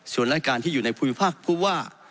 ส่วนรายการที่อยู่ในภูมิภาคผู้ว่า